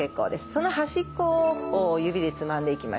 その端っこをこう指でつまんでいきましょう。